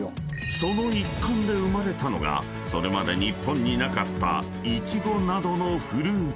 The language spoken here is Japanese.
［その一環で生まれたのがそれまで日本になかったイチゴなどのフルーツ］